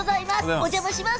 お邪魔します